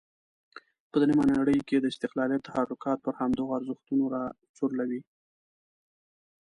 په درېمه نړۍ کې د استقلالیت تحرکات پر همدغو ارزښتونو راچورلوي.